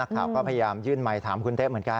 พระพยายามยื่นใหม่ถามคุณเต๊ะเหมือนกัน